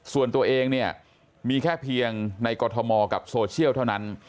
ส่วนตัวเองเนี่ยมีแค่เพียงในกรทมกับโซเชียลเท่านั้น